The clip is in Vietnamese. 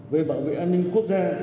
về bảo vệ an ninh quốc gia